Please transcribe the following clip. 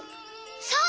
そう！